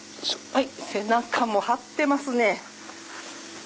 背中も張ってますね。